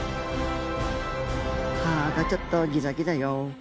歯がちょっとギザギザよ。